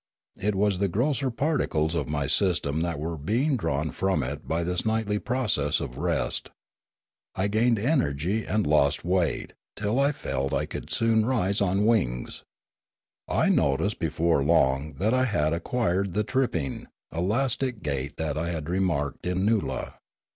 It was the grosser particles of my system that were being withdrawn from it by this nightly process of rest. I gained energy and lost weight till I felt that I could soon rise on wings. I noticed before long that I had acquired the tripping, elastic gait that I had remarked in Noola.